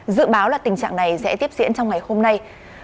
dự báo là tình trạng này sẽ tiếp diễn trong ngày hôm nay